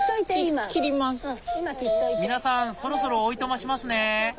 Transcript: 皆さんそろそろおいとましますね。